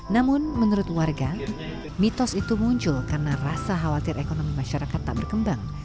namun menurut warga mitos itu muncul karena rasa khawatir ekonomi masyarakat tak berkembang